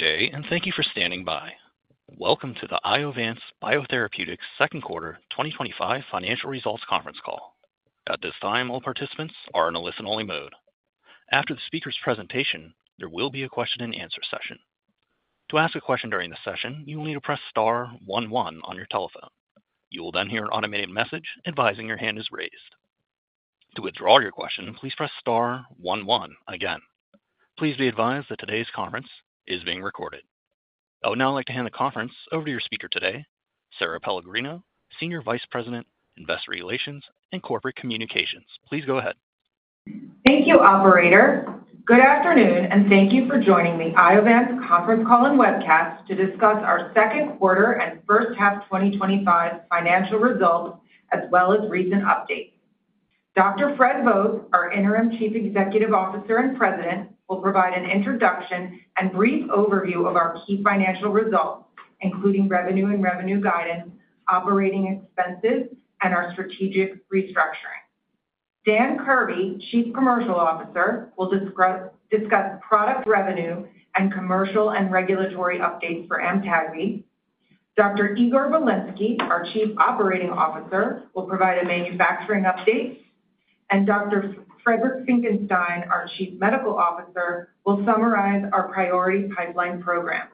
Good day and thank you for standing by. Welcome to the Iovance Biotherapeutics Second Quarter 2025 Financial Results Conference Call. At this time, all participants are in a listen only mode. After the speaker's presentation, there will be a question and answer session. To ask a question during the session, you will need to press star one one on your telephone. You will then hear an automated message advising your hand is raised. To withdraw your question, please press star one one again. Please be advised that today's conference is being recorded. I would now like to hand the conference over to your speaker today, Sara Pellegrino, Senior Vice President, Investor Relations and Corporate Communications. Please go ahead. Thank you, operator. Good afternoon and thank you for joining the Iovance conference call and webcast to discuss our second quarter and first half 2025 financial results as well as recent updates. Dr. Fred Vogt, our Interim Chief Executive Officer and President, will provide an introduction and brief overview of our key financial results including revenue and revenue guidance, operating expenses, and our strategic restructuring. Dan Kirby, Chief Commercial Officer, will discuss product, revenue, and commercial and regulatory updates for Amtagvi. Dr. Igor Bilinsky, our Chief Operating Officer, will provide a manufacturing update and Dr. Friedrich Finckenstein, our Chief Medical Officer, will summarize our Priority Pipeline program.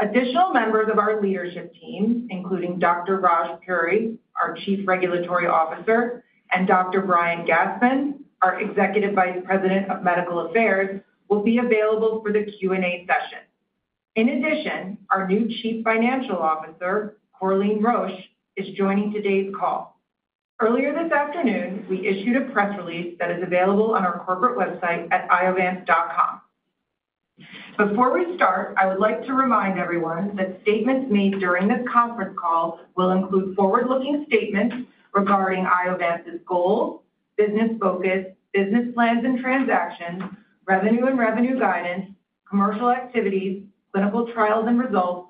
Additional members of our leadership team, including Dr. Raj Puri, our Chief Regulatory Officer, and Dr. Brian Gastman, our Executive Vice President of Medical Affairs, will be available for the Q&A session. In addition, our new Chief Financial Officer, Corleen Roche, is joining today's call. Earlier this afternoon, we issued a press release that is available on our corporate website at iovance.com. Before we start, I would like to remind everyone that statements made during this conference call will include forward-looking statements regarding Iovance's goals, business focus, business plans and transactions, revenue and revenue guidance, commercial activities, clinical trials and results,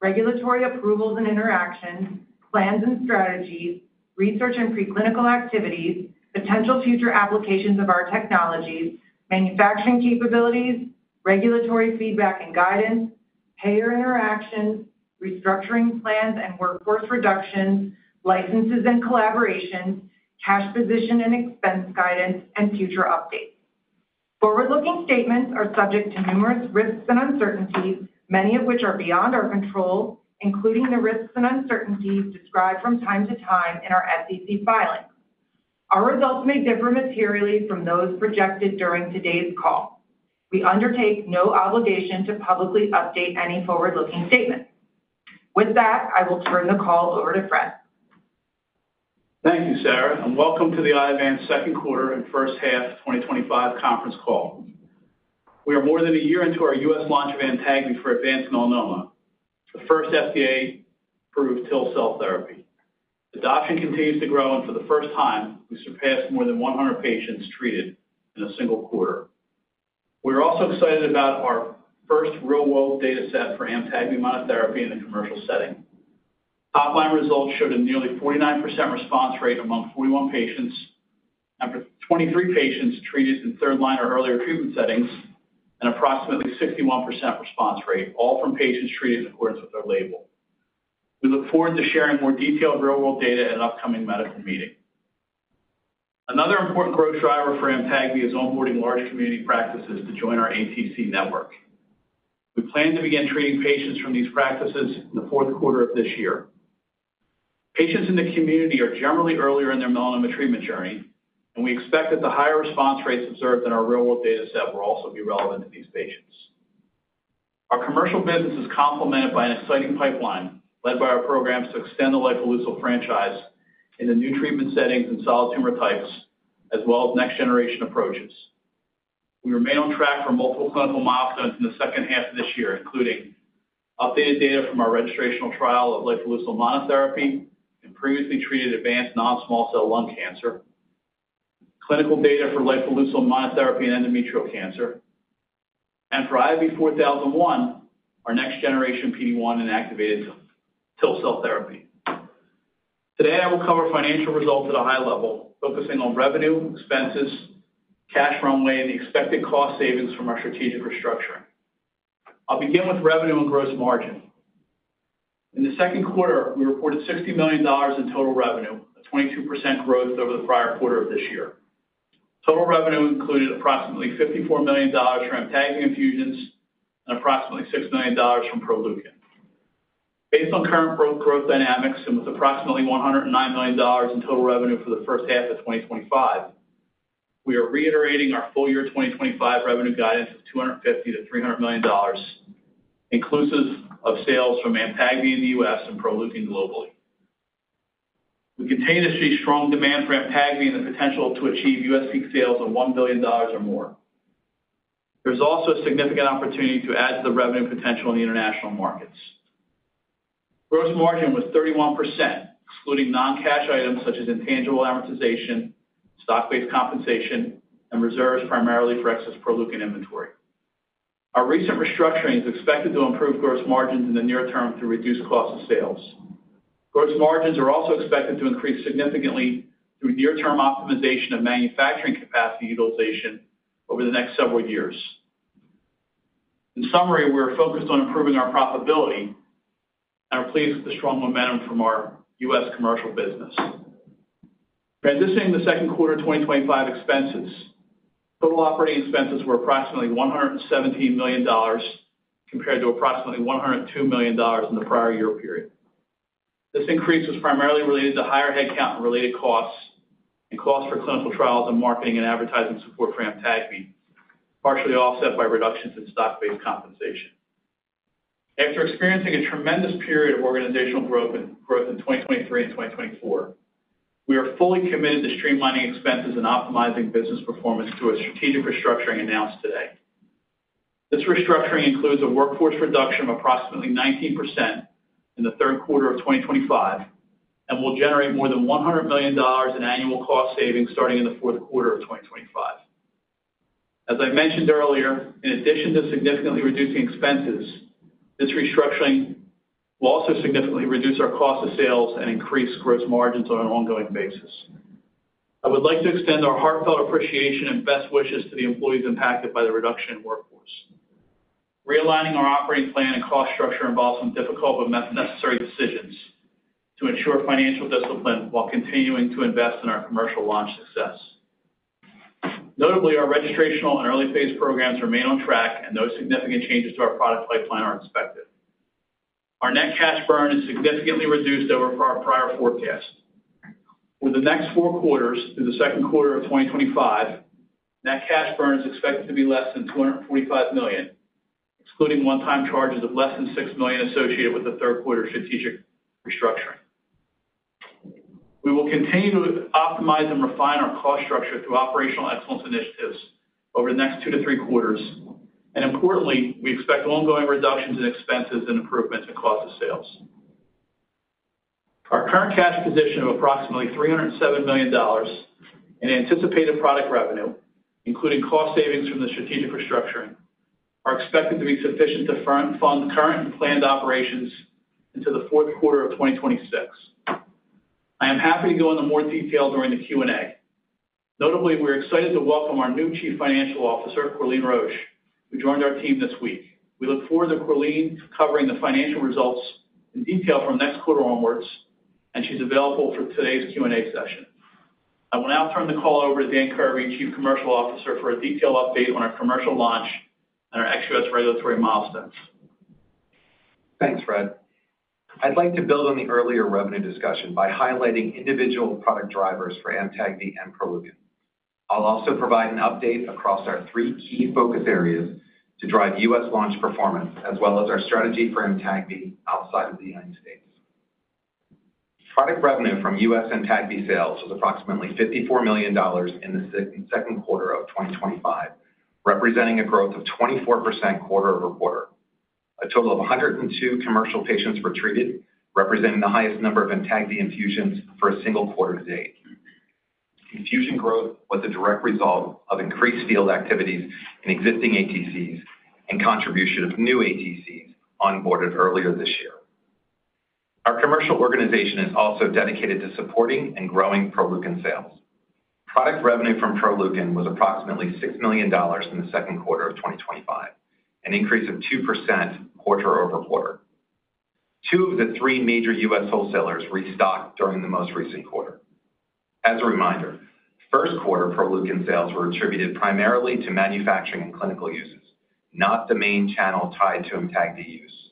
regulatory approvals and interactions, plans and strategies, research and preclinical activities, potential future applications of our technologies, manufacturing capabilities, regulatory feedback and guidance, payer interaction, restructuring plans and workforce reductions, licenses and collaborations, cash position and expense guidance, and future updates. Forward-looking statements are subject to numerous risks and uncertainties, many of which are beyond our control, including the risks and uncertainties described from time to time in our SEC filings. Our results may differ materially from those projected during today's call. We undertake no obligation to publicly update any forward-looking statements. With that, I will turn the call over to Fred. Thank you, Sara, and welcome to the Iovance second quarter and first half 2025 conference call. We are more than a year into our U.S. launch of Amtagvi for advanced melanoma. The first FDA approved TIL cell therapy adoption continues to grow, and for the first time we surpassed more than 100 patients treated in a single quarter. We're also excited about our first real-world data set for Amtagvi monotherapy in the commercial setting. Top line results showed a nearly 49% response rate among 41 patients after 23 patients treated in third line or earlier treatment settings and approximately 61% response rate, all from patients treated in accordance with their label. We look forward to sharing more detailed real-world data at an upcoming medical meeting. Another important growth driver for Amtagvi is onboarding large community practices to join our ATC network. We plan to begin treating patients from these practices in the fourth quarter of this year. Patients in the community are generally earlier in their melanoma treatment journey, and we expect that the higher response rates observed in our real-world data set will also be relevant to these patients. Our commercial business is complemented by an exciting pipeline led by our programs to extend the life of the lifileucel franchise in new treatment settings in solid tumor targets as well as next generation approaches. We remain on track for multiple clinical milestones in the second half of this year, including updated data from our registrational trial of lifileucel monotherapy in previously treated advanced non-small cell lung cancer, clinical data for lifileucel monotherapy in endometrial cancer, and for IOV-4001, our next generation PD-1 inactivated TIL cell therapy. Today I will cover financial results at a high level, focusing on revenue, expenses, cash runway, and the expected cost savings from our strategic restructuring. I'll begin with revenue and gross margin. In the second quarter, we reported $60 million in total revenue, 22% growth over the prior quarter of this year. Total revenue included approximately $54 million from Amtagvi infusions and approximately $6 million from Proleukin. Based on current growth dynamics and with approximately $109 million in total revenue for the first half of 2025, we are reiterating our full year 2025 revenue guidance of $250 million-$300 million inclusive of sales from Amtagvi in the U.S. and Proleukin globally. We continue to see strong demand for Amtagvi and the potential to achieve U.S. peak sales of $1 billion or more. There's also significant opportunity to add to the revenue potential in the international markets. Gross margin was 31% including non-cash items such as intangible amortization, stock-based compensation, and reserves primarily for excess Proleukin inventory. Our recent restructuring is expected to improve gross margins in the near term to reduce cost of sales. Gross margins are also expected to increase significantly through near-term optimization of manufacturing capacity utilization over the next several years. In summary, we are focused on improving our profitability and are pleased with the strong momentum from our U.S. commercial business. Transitioning to the second quarter 2025 expenses, total operating expenses were approximately $117 million compared to approximately $102 million in the prior year period. This increase was primarily related to higher headcount-related costs and costs for clinical trials and marketing and advertising support for Amtagvi, partially offset by reductions in stock-based compensation. After experiencing a tremendous period of organizational growth in 2023 and 2024, we are fully committed to streamlining expenses and optimizing business performance through a strategic restructuring announced today. This restructuring includes a workforce reduction of approximately 19% in the third quarter of 2025 and will generate more than $100 million in annual cost savings starting in the fourth quarter of 2025. As I mentioned earlier, in addition to significantly reducing expenses, this restructuring will also significantly reduce our cost of sales and increase gross margins on an ongoing basis. I would like to extend our heartfelt appreciation and best wishes to the employees impacted by the reduction in workforce. Realigning our operating plan and cost structure involves some difficult but necessary decisions to ensure financial discipline while continuing to invest in our commercial launch success. Notably, our registrational and early phase programs remain on track and no significant changes to our product pipeline are expected. Our net cash burn is significantly reduced from our prior forecast with the next four quarters through the second quarter of 2025. Net cash burn is expected to be less than $245 million excluding one-time charges of less than $6 million associated with the third quarter strategic restructuring. We will continue to optimize and refine our cost structure through operational excellence initiatives over the next two to three quarters, and importantly, we expect ongoing reductions in expenses and improvements in cost of sales. Our current cash acquisition of approximately $307 million in anticipated product revenue, including cost savings from the strategic restructuring, are expected to be sufficient to fund current and planned operations into the fourth quarter of 2026. I am happy to go into more detail during the Q&A. Notably, we're excited to welcome our new Chief Financial Officer, Corleen Roche, who joined our team this week. We look forward to Corleen covering the financial results in detail from next quarter onwards, and she's available for today's Q&A session. I will now turn the call over to Dan Kirby, Chief Commercial Officer, for a detailed update on our commercial launch and our ex-U.S. regulatory milestones. Thanks Fred. I'd like to build on the earlier revenue discussion by highlighting individual product drivers for Amtagvi and Proleukin. I'll also provide an update across our three key focus areas to drive U.S. launch performance as well as our strategy for Amtagvi outside of the United States. Product revenue from U.S. Amtagvi sales was approximately $54 million in the second quarter of 2025, representing a growth of 24% quarter over quarter. A total of 102 commercial patients were treated, representing the highest number of Amtagvi infusions for a single quarter to date. Infusion growth was a direct result of increased field activities in existing ATCs and contribution of new ATCs onboarded earlier this year. Our commercial organization is also dedicated to supporting and growing Proleukin sales. Product revenue from Proleukin was approximately $6 million in the second quarter of 2025, an increase of 2% quarter over quarter. Two of the three major U.S. wholesalers restocked during the most recent quarter. As a reminder, first quarter Proleukin sales were attributed primarily to manufacturing and clinical uses, not the main channel tied to Amtagvi use.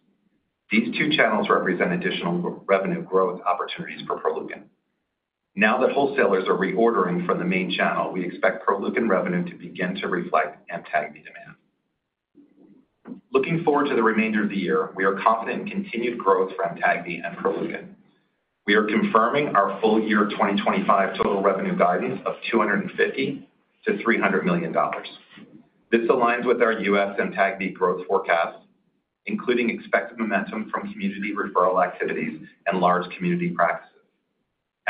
These two channels represent additional revenue growth opportunities for Proleukin. Now that wholesalers are reordering from the main channel, we expect Proleukin revenue to begin to reflect Amtagvi demand. Looking forward to the remainder of the year, we are confident in continued growth from Amtagvi and Proleukin. We are confirming our full year 2025 total revenue guidance of $250 million-$300 million. This aligns with our U.S. Amtagvi growth forecast, including expected momentum from community referral activities and large community practices.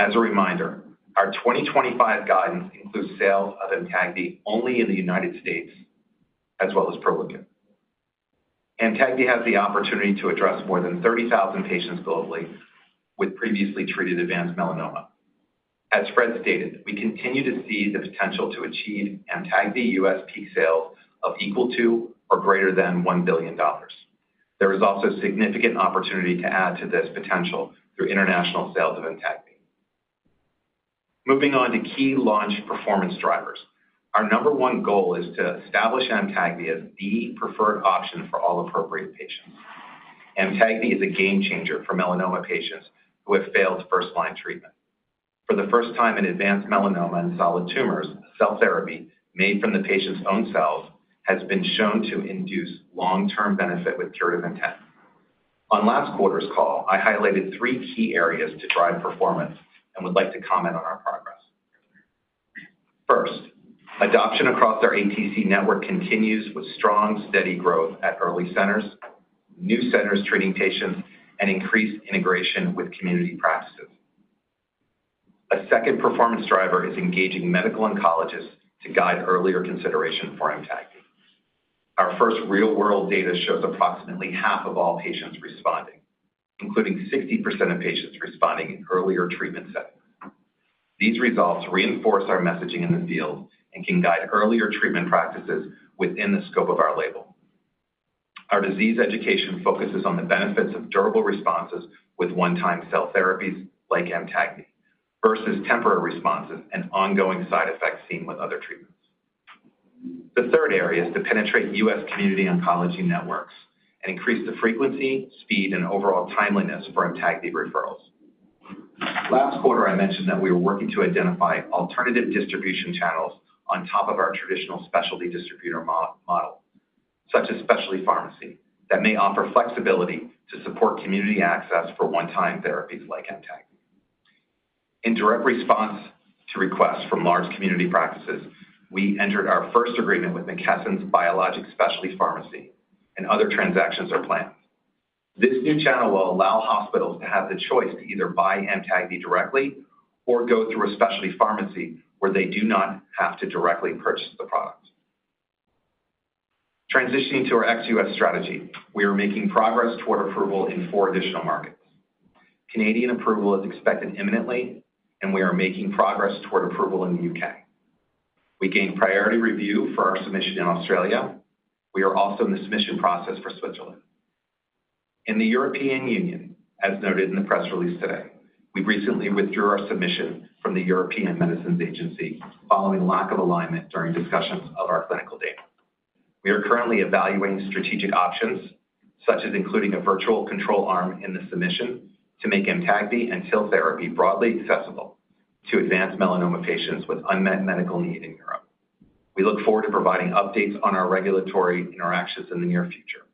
As a reminder, our 2025 guidance includes sale of Amtagvi only in the United States as well as Proleukin. Amtagvi has the opportunity to address more than 30,000 patients globally with previously treated advanced melanoma. As Fred stated, we continue to see the potential to achieve Amtagvi U.S. peak sales of equal to or greater than $1 billion. There is also significant opportunity to add to this potential through international sales of Amtagvi. Moving on to key launch performance drivers, our number one goal is to establish Amtagvi as the preferred option for all appropriate patients. Amtagvi is a game changer for melanoma patients who have failed first line treatment for the first time in advanced melanoma and solid tumors. Cell therapy made from the patient's own cells has been shown to induce long term benefit with curative intent. On last quarter's call, I highlighted three key areas to drive performance and would like to comment on our progress. First, adoption across our Authorized Treatment Center network continues with strong, steady growth at early centers, new centers treating patients, and increased integration with community practices. A second performance driver is engaging medical oncologists to guide earlier consideration for Amtagvi. Our first real-world data shows approximately half of all patients responding, including 60% of patients responding in earlier treatment settings. These results reinforce our messaging in the field and can guide earlier treatment practices within the scope of our label. Our disease education focuses on the benefits of durable responses with one-time cell therapies like Amtagvi versus temporary responses and ongoing side effects seen with other treatments. The third area is to penetrate U.S. community oncology networks and increase the frequency, speed, and overall timeliness of our Authorized Treatment Center referrals. Last quarter I mentioned that we were working to identify alternative distribution channels on top of our traditional specialty distributor model, such as specialty pharmacy, that may offer flexibility to support community access for one-time therapies like Amtagvi. In direct response to requests from large community practices, we entered our first agreement with McKesson's Biologics Specialty Pharmacy and other transactions are planned. This new channel will allow hospitals to have the choice to either buy Amtagvi directly or go through a specialty pharmacy where they do not have to directly purchase the product. Transitioning to our ex-U.S. strategy, we are making progress toward approval in four additional markets. Canadian approval is expected imminently and we are making progress toward approval in the United Kingdom. We gained priority review for our submissions in Australia. We are also in the submission process for Switzerland in the European Union. As noted in the press release today, we recently withdrew our submission from the European Medicines Agency following lack of alignment during discussions of our clinical data. We are currently evaluating strategic options, such as including a virtual control arm in the submission, to make Amtagvi and TIL therapy broadly accessible to advanced melanoma patients with unmet medical needs in Europe. We look forward to providing updates on our regulatory interactions in the near future.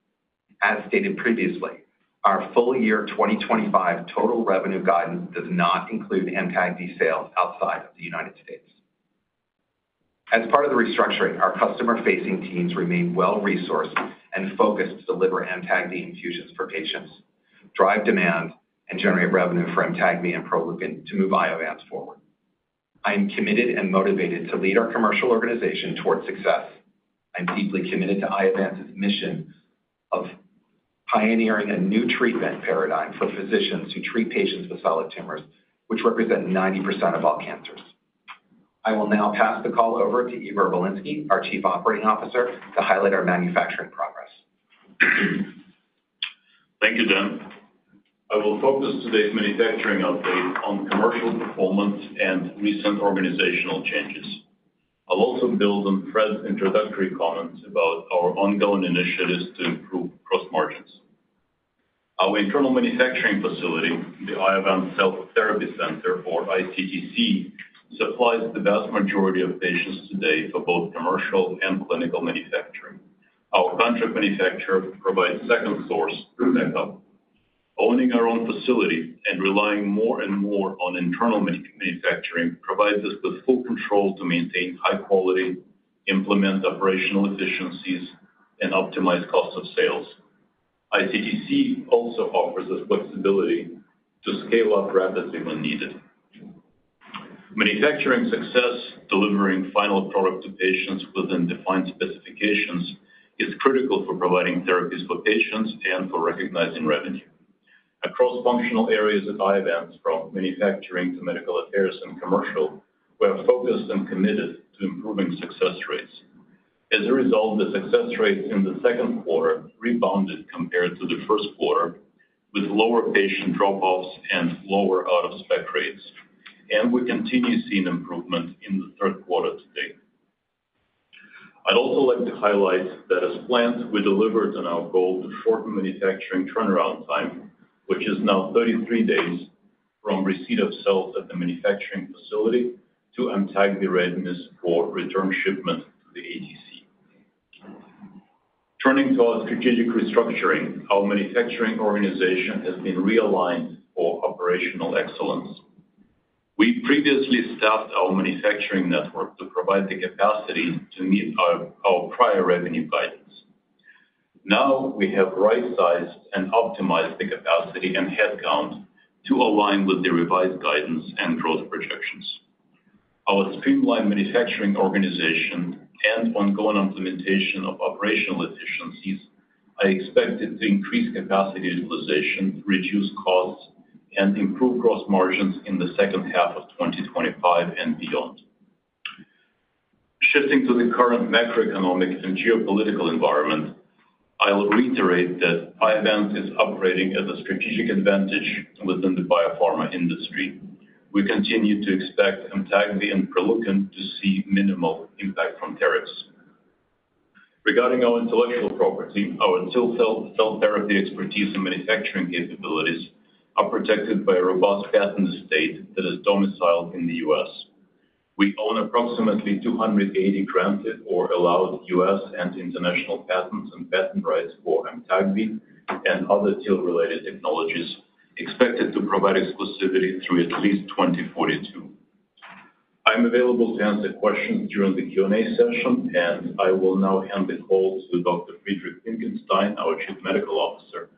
As stated previously, our full year 2025 total revenue guidance does not include Amtagvi sales outside of the U.S. As part of the restructuring, our customer-facing teams remain well resourced and focused to deliver Amtagvi infusions for patients, drive demand, and generate revenue for Amtagvi and Proleukin. To move Iovance Biotherapeutics forward, I'm committed and motivated to lead our commercial organization towards success. I'm deeply committed to Iovance Biotherapeutics' mission of pioneering a new treatment paradigm for physicians who treat patients with solid tumors, which represent 90% of all cancers. I will now pass the call over to Igor Bilinsky, our Chief Operating Officer, to highlight our manufacturing progress. Thank you, Dan. I will focus today's manufacturing update on commercial performance and recent organizational changes. I'll also build on Fred's introductory comments about our ongoing initiatives to improve cost margins. Our internal manufacturing facility, the Iovance Cell Therapy Center, or ICTC, supplies the vast majority of patients today for both commercial and clinical manufacturing. Our contract manufacturer provides second source. Owning our own facility and relying more and more on internal manufacturing provides us with full control to maintain high quality, implement operational efficiencies, and optimize cost of sales. ICTC also offers the flexibility to scale up rapidly when needed. Manufacturing success delivering final product to patients within defined specifications is critical for providing therapies for patients and for recognizing revenue across functional areas of Iovance, from manufacturing to medical affairs and commercial. We have obviously been committed to improving these success rates. As a result, the success rate in the second quarter rebounded compared to the first quarter with lower patient drop-offs and lower out-of-spec rates, and we continue seeing improvement in the third quarter to date. I'd also like to highlight that, as planned, we delivered on our goal for manufacturing turnaround time, which is now 33 days from receipt of cells at the manufacturing facility to Amtagvi readiness for return shipment to the ATC. Turning to our strategic restructuring, our manufacturing organization has been realigned for operational excellence. We previously staffed our manufacturing network to provide the capacity to meet our prior revenue guidance. Now we have prioritized and optimized the capacity and headcount to align with the revised guidance and growth projections. Our streamlined manufacturing organization and ongoing implementation of operational efficiencies, I expect to increase capacity utilization, reduce costs, and improve gross margins in the second half of 2025 and beyond. Shifting to the current macroeconomic and geopolitical environment, I will reiterate that Iovance is operating as a strategic advantage within the biopharma industry. We continue to expect Amtagvi and Proleukin to see minimal impact from tariffs. Regarding our intellectual property, our cell therapy expertise and manufacturing capabilities are protected by a robust patent estate that is domiciled in the U.S. We own approximately 280 granted or allowed U.S. and international patents and patent rights for Amtagvi and other TIL-related technologies expected to provide exclusivity through at least 2042. I am available to answer questions during the Q&A session, and I will now hand it off to Dr. Friedrich Finckenstein, our Chief Medical Officer,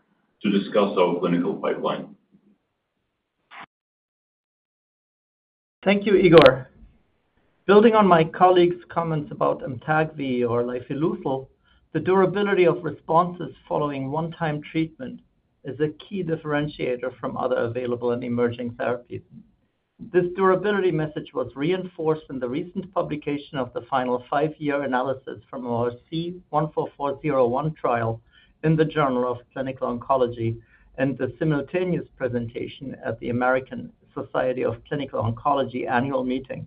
to discuss our clinical pipeline. Thank you, Igor. Building on my colleagues' comments about Amtagvi or lifileucel, the durability of responses following one-time treatment is a key differentiator from other available and emerging therapies. This durability message was reinforced in the recent publication of the final five-year analysis from the C-144-01 trial in the Journal of Clinical Oncology and the simultaneous presentation at the American Society of Clinical Oncology Annual Meeting.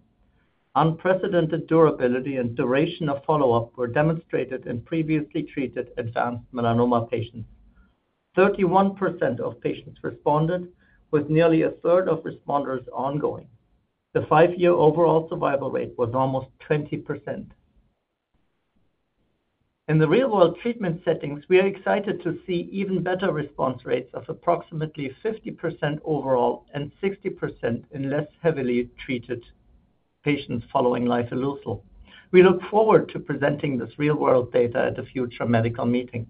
Unprecedented durability and duration of follow-up were demonstrated in previously treated advanced melanoma patients. 31% of patients responded, with nearly a third of responders ongoing. The five-year overall survival rate was almost 20% in the real-world treatment settings. We are excited to see even better response rates of approximately 50% overall and 60% in less heavily treated patients following lifileucel. We look forward to presenting this real-world data at a future medical meeting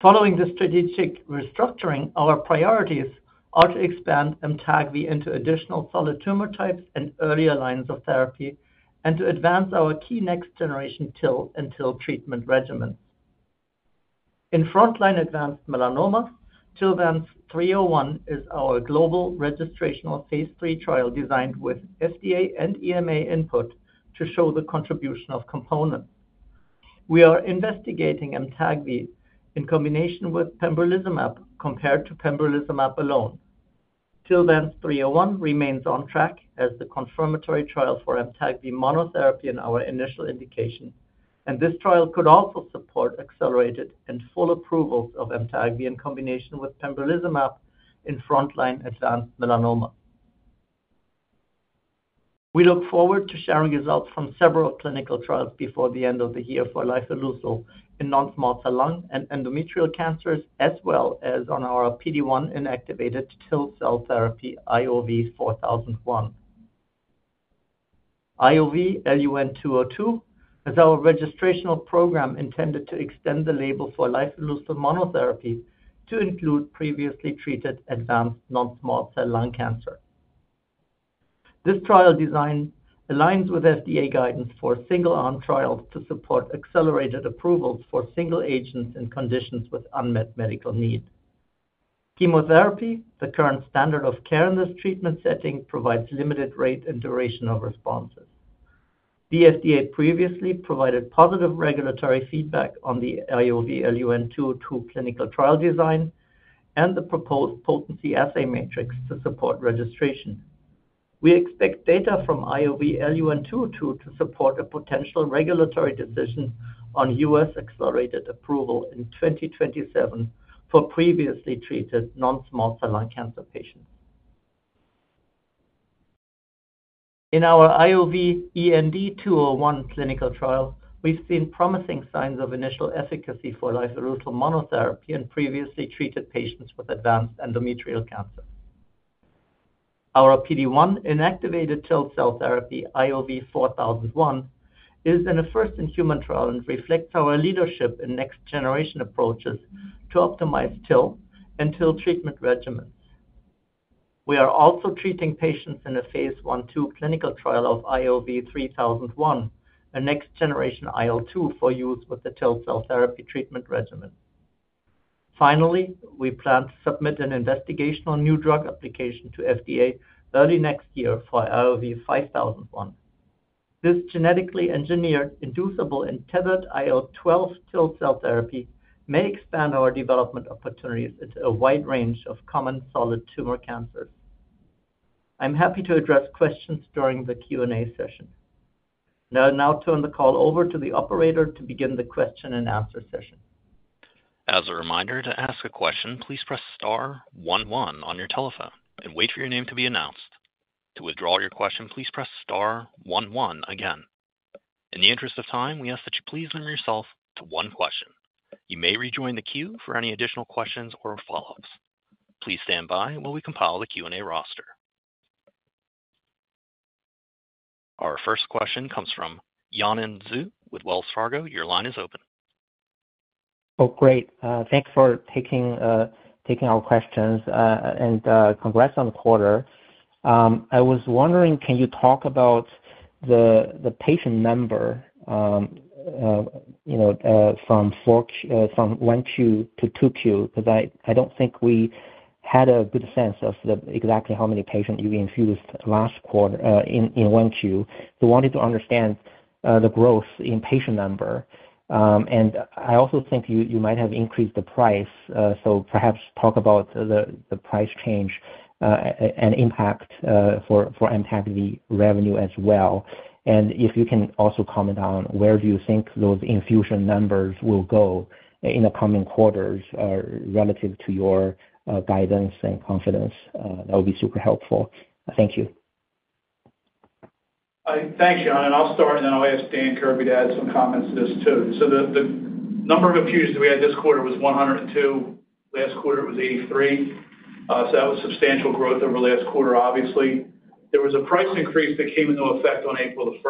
following the strategic restructuring. Our priorities are to expand Amtagvi into additional solid tumor types and earlier lines of therapy and to advance our key next-generation TIL and TIL treatment regimen in frontline advanced melanoma. TILVANCE-301 is our global registrational phase 3 trial designed with FDA and EMA input to show the contribution of components. We are investigating Amtagvi in combination with pembrolizumab compared to pembrolizumab alone. TILVANCE-301 remains on track as the confirmatory trial for Amtagvi monotherapy in our initial indication, and this trial could also support accelerated and full approval of Amtagvi in combination with pembrolizumab in frontline advanced melanoma. We look forward to sharing results from several clinical trials before the end of the year for lifileucel in non-small cell lung and endometrial cancers, as well as on our PD-1 inactivated TIL cell therapy IOV-4001. IOV-LUN-202 is our registrational program intended to extend the label for lifileucel monotherapy to include previously treated advanced non-small cell lung cancer. This trial design aligns with FDA guidance for single-arm trials to support accelerated approvals for single agents in conditions with unmet medical needs. Chemotherapy, the current standard of care in this treatment setting, provides limited rate and duration of responses. The FDA previously provided positive regulatory feedback on the IOV-LUN-202 clinical trial design and the proposed potency assay matrix to support registration. We expect data from IOV-LUN-202 to support a potential regulatory decision on U.S. accelerated approval in 2027 for previously treated non-small cell lung cancer patients. In our IOV-END-201 clinical trial, we've seen promising signs of initial efficacy for lifileucel monotherapy in previously treated patients with advanced endometrial cancer. Our PD-1 inactivated TIL cell therapy IOV-4001 is in a first-in-human trial and reflects our leadership in next generation approaches to optimize TIL and TIL treatment regimen. We are also treating patients in a Phase 1/2 clinical trial of IOV-3001, a next generation IL-2 for use with the TIL cell therapy treatment regimen. Finally, we plan to submit an investigational new drug application to FDA early next year for IOV-5001. This genetically engineered, inducible and tethered IL-12 TIL cell therapy may expand our development opportunities into a wide range of common solid tumor cancers. I'm happy to address questions during the Q&A session. I now turn the call over to the operator to begin the question and answer session. As a reminder to ask a question, please press one one on your telephone and wait for your name to be announced. To withdraw your question, please press one again. In the interest of time, we ask that you please limit yourself to one question. You may rejoin the queue for any additional questions or follow ups. Please stand by while we compile the Q&A roster. Our first question comes from Yanan Zhu with Wells Fargo. Your line is open. Oh great. Thanks for taking our questions and congrats on the quarter. I was wondering, can you talk about the patient number from 1Q to 2Q? I don't think we had a good sense of exactly how many patients you infused last quarter in 1Q. We wanted to understand the growth in patient number. I also think you might have increased the price, so perhaps talk about the price change and impact for Amtagvi revenue as well. If you can also comment on where you think those infusion numbers will go in the coming quarters relative to your guidance and confidence, that would be super helpful. Thank you. Thanks Yanan, I'll start and then I'll ask Dan Kirby to add some comments to this too. The number of fusions we had this quarter was 102. Last quarter it was 83. That was substantial growth over last quarter. There was a price increase that came into effect on April 1,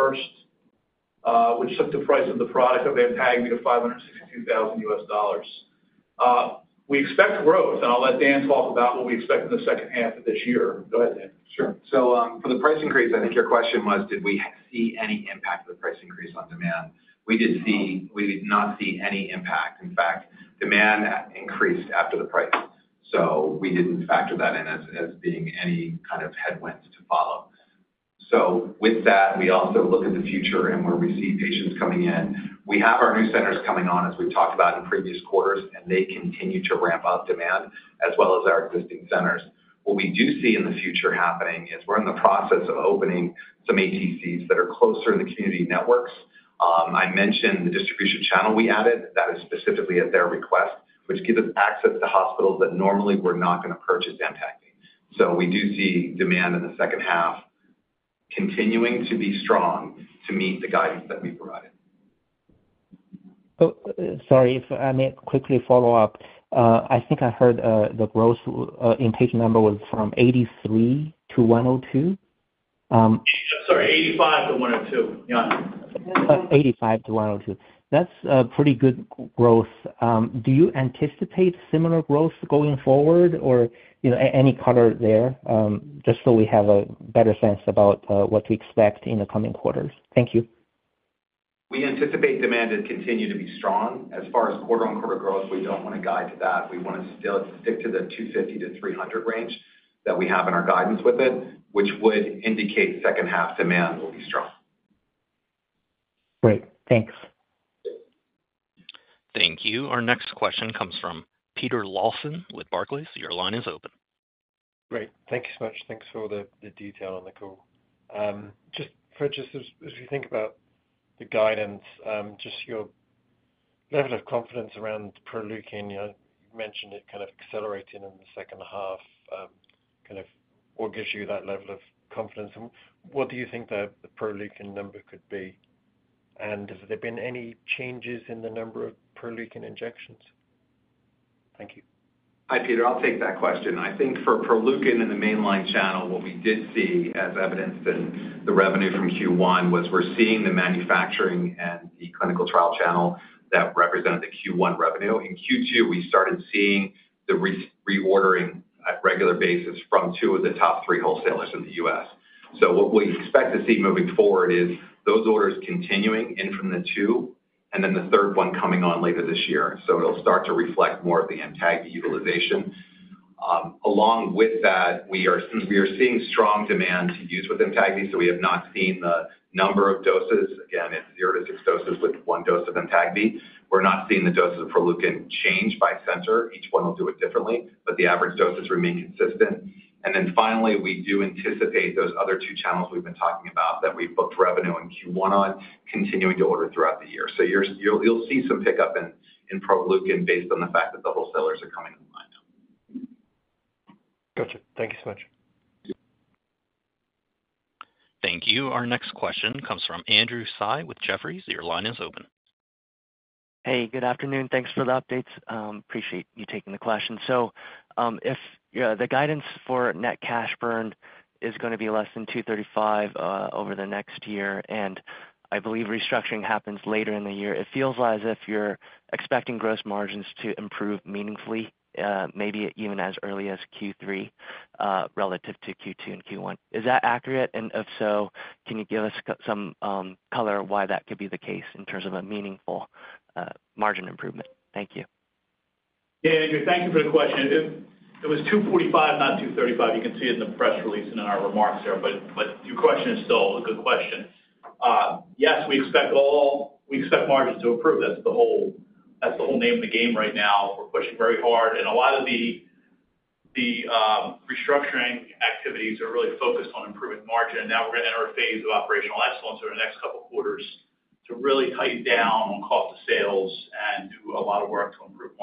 which took the price of the product of Amtagvi to $562,000. We expect growth, and I'll let Dan talk about what we expect in the second half of this year. Go ahead, Dan? Sure. For the price increase, I think your question was, did we see any impact of the price increase on demand? We did not see any impact. In fact, demand increased after the price, so we didn't factor that in as being any kind of headwind to follow. With that, we also look in the future and where we see patients coming in. We have our new centers coming on, as we've talked about in previous quarters, and they continue to ramp up demand as well as our existing centers. What we do see in the future happening is we're in the process of opening some ATCs that are closer in the community networks. I mentioned the distribution channel we added, that is specifically at their request, which gives us access to hospitals that normally were not going to purchase. We do see demand in the second half continuing to be strong to meet the guidance that we provided. Sorry, if I may quickly follow up. I think I heard the growth in patient number was from 83 to 102. Sorry, 85 to 102. Yeah, 85 to 102. That's pretty good growth. Do you anticipate similar growth going forward, or any color there, just so we have a better sense about what to expect in the coming quarters? Thank you. We anticipate demand to continue to be strong. As far as quarter on quarter growth, we don't want to guide to that. We want to still stick to the 250 to 300 range that we have in our guidance, which would indicate second half demand will be strong. Great, thanks. Thank you. Our next question comes from Peter Lawson with Barclays. Your line is open. Great. Thank you so much. Thanks for the detail on the call. Just as you think about the guidance, just your level of confidence around Proleukin, you know, you mentioned it kind of accelerating in the second half, kind of. What gives you that level of confidence and what do you think the Proleukin number could be and have there been any changes in the number of Proleukin injections? Thank you. Hi, Peter. I'll take that question. I think for Proleukin in the mainline channel, what we did see as evidenced in the revenue from Q1 was we're seeing the manufacturing and the clinical trial channel that represented the Q1 revenue. In Q2, we started seeing the reordering at regular basis from two of the top three wholesalers in the U.S. What we expect to see moving forward is those orders continuing in from the two and then the third one coming on later this year. It will start to reflect more of the Amtagvi utilization along with that since we are seeing strong demand to use with Amtagvi. We have not seen the number of doses and it's the order to six doses with one dose of Amtagvi. We're not seeing the doses of Proleukin change by center. Each one will do it differently, but the average doses remain consistent. Finally, we do anticipate those other two channels we've been talking about that we booked revenue in Q1 on continuing to order throughout the year. You'll see some pickup in Proleukin based on the fact that the wholesalers are coming online. Gotcha. Thank you so much. Thank you. Our next question comes from Andrew Tsai with Jefferies. Your line is open. Hey, good afternoon. Thanks for the updates. Appreciate you taking the question. If the guidance for net cash burned is going to be less than $235 million over the next year and I believe restructuring happens later in the year, it feels as if you're expecting gross margins to improve meaningfully, maybe even as early as Q3 relative to Q2 and Q1. Is that accurate, and if so, can you give us some color why that could be the case in terms of a meaningful margin improvement? Thank you. Yeah, Andrew, thank you for the question. It was $245 million, not $235 million. You can see it in the press release and in our remarks there. Your question is. Still a good question. Yes, we expect all. We expect margins to improve. That's the whole, that's the whole name of the game right now. We're pushing very hard, and a lot of the restructuring activities are really focused on improving margin. Now we're going to enter a phase of operational excellence over the next couple quarters to really tighten down on cost of sales and do a lot of work to improve.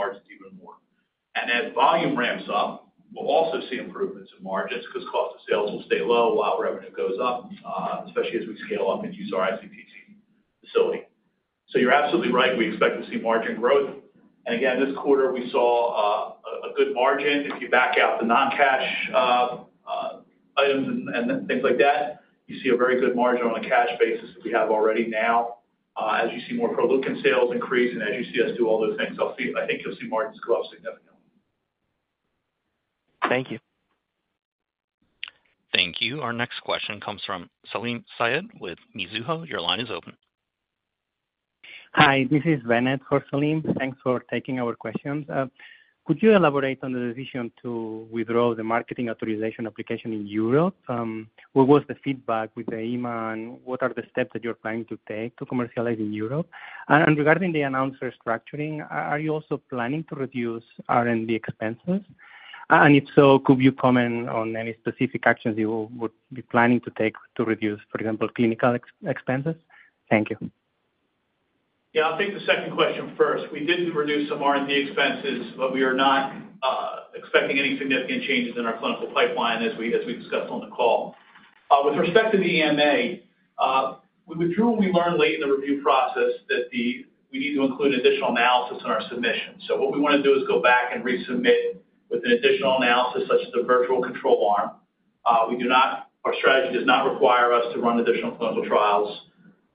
As volume ramps up, we'll also see improvements in margins because cost of sales will stay low while revenue goes up, especially as we scale up and use our ICTC facility. You're absolutely right. We expect to see margin growth, and again this quarter we saw a good margin. If you back out the non-cash items and things like that, you see a very good margin on a cash basis as we have already. Now, as you see more Proleukin sales increase and as you see us do all those things, I think you'll see margins go up significantly. Thank you. Thank you. Our next question comes from Salim Syed with Mizuho. Your line is open. Hi, this is Bennett for Salim. Thanks for taking our questions. Could you elaborate on the decision to withdraw the marketing authorization application in Europe, what was the feedback with the EMA? What are the steps that you're planning to take to commercialize in Europe? Regarding the announced restructuring, are you also planning to reduce R&D expenses? If so, could you comment on any specific actions you would be planning to take to reduce, for example, clinical expenses? Thank you. Yeah, I'll take the second question first. We did reduce some R&D expenses, but we are not expecting any significant changes in our clinical pipeline, as we discussed on the call. With respect to the EMA, we withdrew and we learned late in the review process that we need to include an additional analysis on our submission. What we want to do is go back and resubmit with an additional analysis such as the virtual control arm. Our strategy does not require us to run additional clinical trials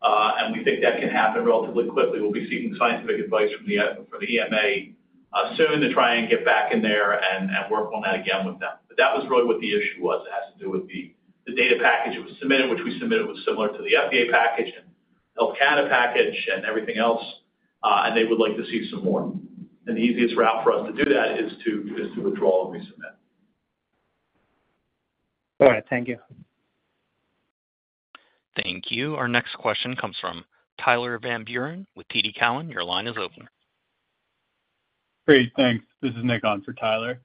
and we think that can happen relatively quickly. We'll be seeking scientific advice from the EMA soon to try and get back in there and work on that again with them. That was really what the issue was. It has to do with the data package. It was submitted, which we submitted, was similar to the FDA package, Health Canada package, and everything else. They would like to see some more, and the easiest route for us to. do that is to withdraw and resubmit. All right, thank you. Thank you. Our next question comes from Tyler Van Buren with TD Cowen. Your line is open. Great, thanks. This is Nick on for Tyler.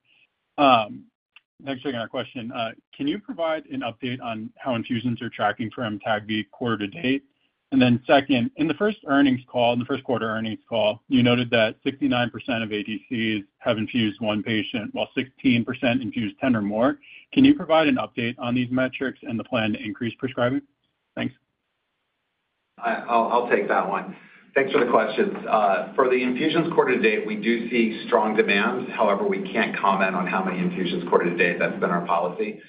Thanks for taking that question. Can you provide an update on how infusions are tracking for Amtagvi quarter to date, and then second, in the first quarter earnings call, you noted that 69% of ATCs have infused one patient while 16% infused 10 or more. Can you provide an update on these metrics and the plan to increase prescribing? Thanks, I'll take that one. Thanks for the question. For the infusions quarter to date, we do see strong demands. However, we can't comment on how many infusions quarter to date. That's been our policy.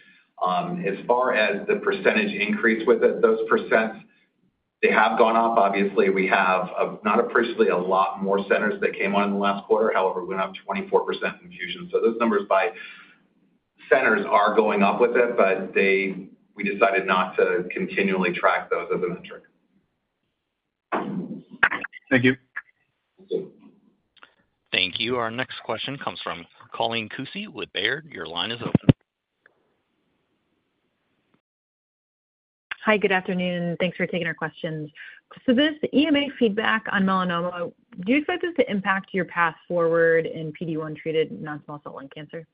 As far as the % increase with it, those %s, they have gone up. Obviously, we have not appreciably a lot more centers that came on in the last quarter, however, went up 24% infusion. So those numbers by centers are going up with it. We decided not to continually track those as a metric. Thank you. Thank you. Our next question comes from Colleen Kusy with Baird. Your line is open. Hi, good afternoon. Thanks for taking our questions. This EMA feedback on melanoma, do you expect this to impact your path forward in PD-1 treated non-small cell lung cancer?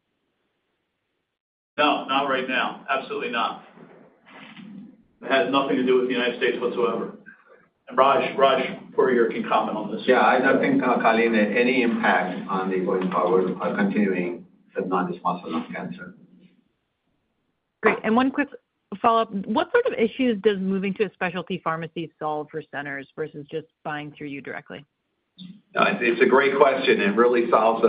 No, not right now. Absolutely not. Has nothing to do with the United States whatsoever. Raj Puri can comment on this. Yeah, I think Colleen it had any impact on the going power continuing. Great. One quick follow up. What sort of issues does moving to. A specialty pharmacy solve for centers versus just buying through you directly? It's a great question. It really solves.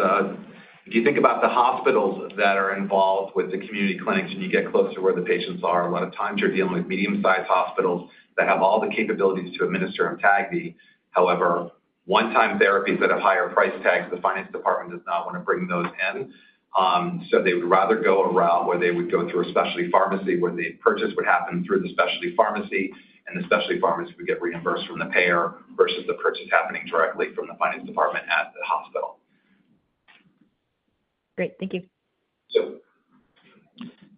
You think about the hospitals that are involved with the community clinics and you get close to where the patients are. A lot of times you're dealing with medium sized hospitals that have all the capabilities to administer Amtagvi, however, one-time therapies that have higher price tags. The finance department does not want to bring those in. They would rather go a route where they would go through a specialty pharmacy where the purchase would happen through the specialty pharmacy and the specialty pharmacy would get reimbursed from the payer versus the purchase happening directly from the finance department at the hospital. Great. Thank you.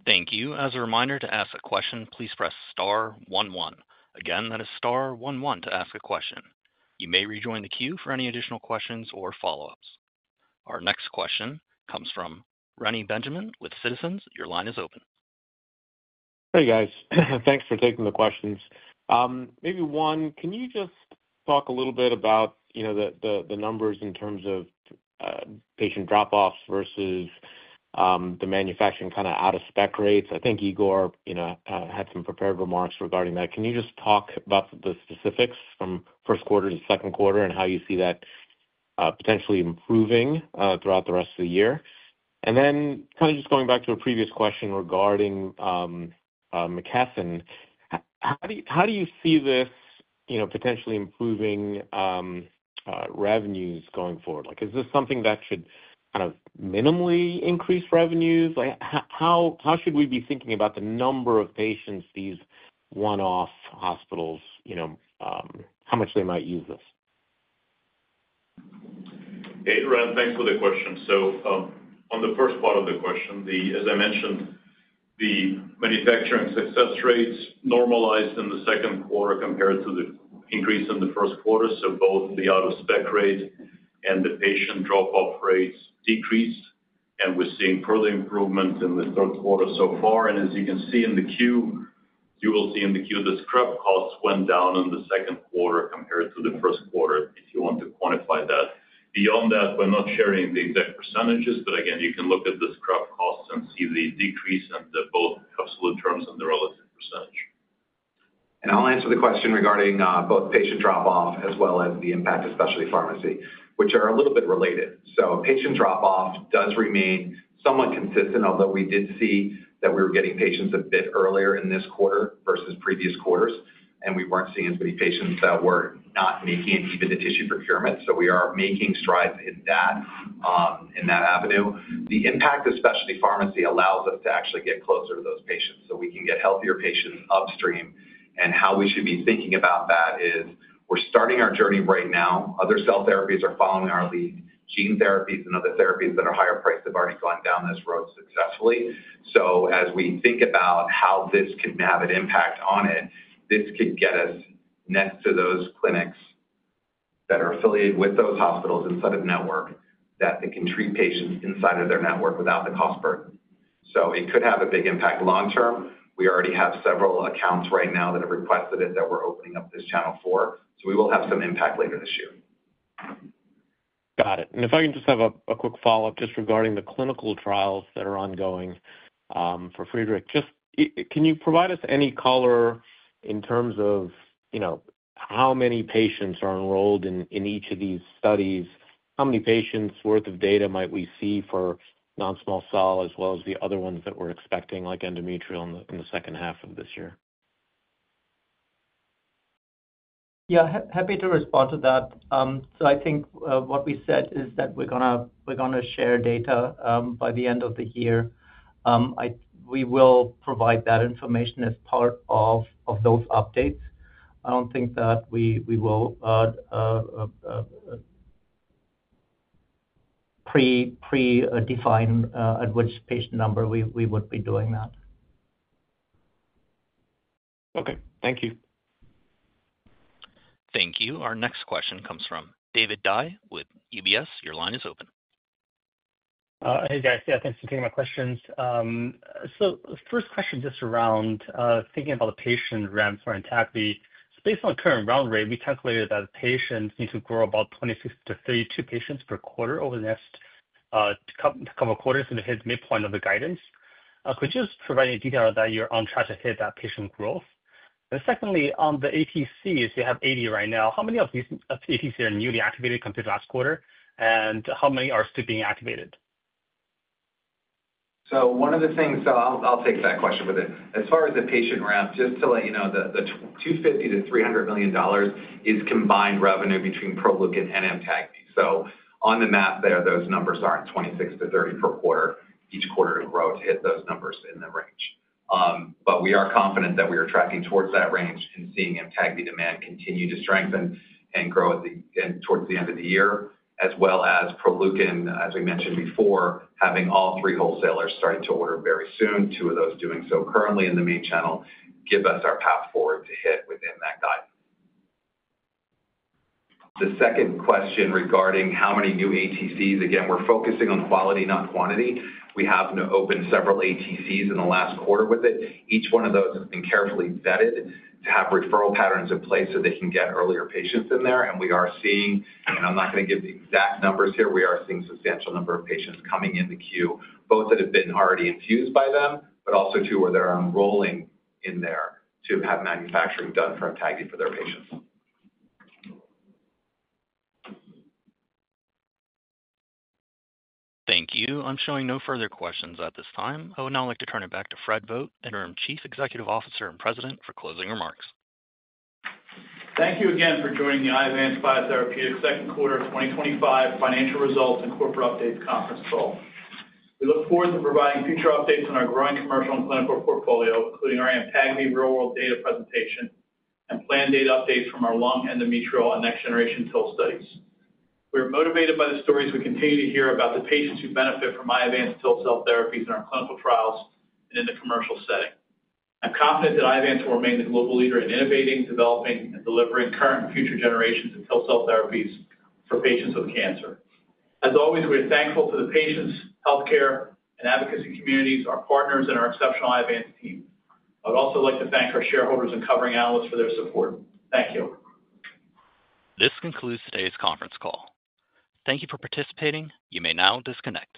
Thank you. As a reminder to ask a question, please press star one one. Again, that is star one one to ask a question. You may rejoin the queue for any additional questions or follow ups. Our next question comes from Reni Benjamin with Citizens. Your line is open. Hey guys, thanks for taking the questions. Maybe one, can you just talk a little bit about, you know, the numbers in terms of patient drop offs versus. The manufacturing kind of out-of-spec rates? I think Igor, you know, had some prepared remarks regarding that. Can you just talk about the specifics? From first quarter to second quarter, and how you see that potentially improving throughout. The rest of the year? Kind of just going back to a previous question regarding McKesson. How do you see this potentially improving revenues going forward? Is this something that should kind of minimally increase revenues? How should we be thinking about the. Number of patients these one off hospitals. You know, how much they might use this? Reni, thanks for the question. On the first part of the question, as I mentioned, the manufacturing success rates normalized in the second quarter compared to the increase in the first quarter. Both the out-of-spec rate and the patient drop-off rates decreased, and we're seeing further improvement in the third quarter so far. As you can see in the Q4, you will see in the queue the scrap costs went down in the second quarter compared to the first quarter. If you want to quantify that beyond that, we're not sharing the exact percentages, but again you can look at the scrap costs and see the decrease in the absolute terms or the relative percentage. I'll answer the question regarding both patient drop off as well as the impact of specialty pharmacy, which are a little bit related. Patient drop off does remain somewhat consistent. Although we did see that we were getting patients a bit earlier in this quarter versus previous quarters and we weren't seeing as many patients that were not making an EBITDA tissue procurement. We are making strides in that avenue. The impact of specialty pharmacy allows us to actually get closer to those patients so we can get healthier patients upstream. How we should be thinking about that is we're starting our journey right now. Other cell therapies are following our lead. Gene therapies and other therapies that are higher price have already gone down this road successfully. As we think about how this can have an impact on it, this could get us next to those clinics that are affiliated with those hospitals inside of network so they can treat patients inside of their network without the call spur. It could have a big impact long term. We already have several accounts right now that have requested that we're opening up this channel for. We will have some impact later this year. Got it. If I can just have a quick follow up, just regarding the clinical. Trials that are ongoing for Friedrich, just. Can you provide us any color in terms of, you know, how many patients. Are enrolled in each of these studies? How many patients worth of data might we see for non-small cell as well. As the other ones that we're expecting like endometrial in the second half of this year? Yeah, happy to respond to that. I think what we said is that we're going to share data by the end of the year. We will provide that information as part of those updates. I don't think that we will predefine at which patient number we would be doing that. Okay, thank you. Thank you. Our next question comes from David Dai with UBS. Your line is open. Hey guys. Yeah, thanks for taking my questions. First question just around thinking about. The patient ramp for Amtagvi. Based on current run rate, we calculated that patients need to grow about 26-32 patients per quarter over the next couple of quarters and hit midpoint of the guidance. Could you provide any detail that you're on track to hit that patient growth? Secondly, on the ATCs, you have 80 right now. How many of these ATCs are newly? Activated compared to last quarter, and how many are still being activated? I'll take that question. As far as the patient ramp, just to let you know, the $250 million-$300 million is combined revenue between Proleukin and Amtagvi. On the map there, those numbers are in 26-30 per quarter each quarter to grow to hit those numbers in the range. We are confident that we are tracking towards that range and seeing Amtagvi demand continue to strengthen and grow towards the end of the year, as well as Proleukin, as we mentioned before, having all three wholesalers starting to order very soon. Two of those doing so currently in the main channel give us our path forward to hit within that guide. The second question regarding how many new ATCs, again we're focusing on quality, not quantity. We happened to open several ATCs in the last quarter. Each one of those has been carefully vetted to have referral patterns in place so they can get earlier patients in there, and we are seeing, and I'm not going to give the exact numbers here, we are seeing a substantial number of patients coming in the queue, both that have been already infused by them, but also where they're enrolling in there to have manufacturing done for Amtagvi for their basis. Thank you. I'm showing no further questions at this time. I would now like to turn it back to Fred Vogt, Interim Chief Executive Officer and President, for closing remarks. Thank you again for joining the Iovance Biotherapeutics Second Quarter 2025 Financial Results and Corporate Updates Conference Call. We look forward to providing future updates on our growing commercial and clinical portfolio, including our Amtagvi real-world data presentation and planned data updates from our lung, endometrial, and next-generation TIL studies. We're motivated by the stories we continue to hear about the patients who benefit from Iovance TIL cell therapies in our clinical trials and in the commercial setting. I'm confident that Iovance will remain the global leader in innovating, developing, and delivering current and future generations of TIL cell therapies for patients with cancer. As always, we are thankful to the patients, healthcare and advocacy communities, our partners, and our exceptional Iovance team. I'd also like to thank our shareholders and covering analysts for their support. Thank you. This concludes today's conference call. Thank you for participating. You may now disconnect.